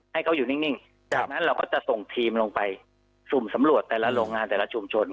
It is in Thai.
ให้เขาอยู่นิ่งจากนั้นเราก็จะส่งทีมลงไปสุ่มสำรวจแต่ละโรงงานแต่ละชุมชน